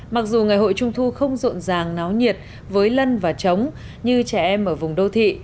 mặc dù ngày hội trung thu không rộn ràng náo nhiệt với lân và trống như trẻ em ở vùng đô thị